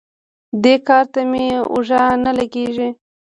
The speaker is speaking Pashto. دې کار ته مې اوږه نه لګېږي.